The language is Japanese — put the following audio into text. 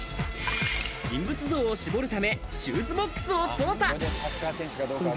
人物像を絞るため、シューズボックスを捜査。